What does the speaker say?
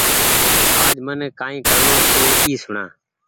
آج من ڪآئي ڪرڻو ڇي اي سوڻآ